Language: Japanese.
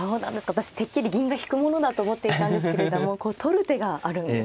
私てっきり銀が引くものだと思っていたんですけれども取る手があるんですね。